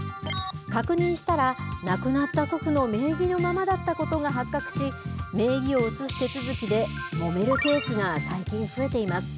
確認したら、亡くなった祖父の名義のままだったことが発覚し、名義を移す手続きでもめるケースが最近増えています。